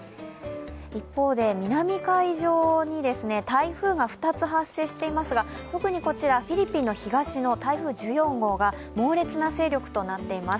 一方で、南海上に台風が２つ発生していますが特にフィリピンの東の台風１４号が猛烈な勢力となっています。